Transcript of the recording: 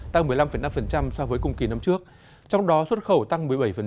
tăng một mươi năm năm so với cùng kỳ năm trước trong đó xuất khẩu tăng một mươi bảy